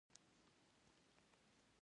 شولې له بټۍ وروسته لمر ته وچیږي.